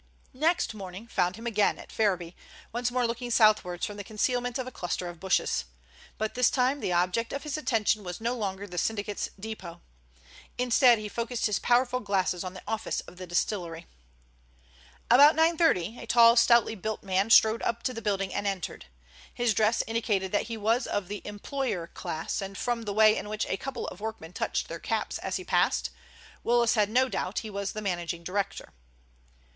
Next morning found him again at Ferriby, once more looking southwards from the concealment of a cluster of bushes. But this time the object of his attention was no longer the syndicate's depot. Instead he focused his powerful glasses on the office of the distillery. About nine thirty a tall, stoutly built man strode up to the building and entered. His dress indicated that he was of the employer class, and from the way in which a couple of workmen touched their caps as he passed, Willis had no doubt he was the managing director.